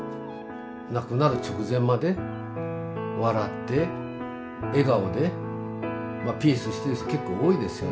亡くなる直前まで笑って笑顔でピースしてる人結構多いですよね。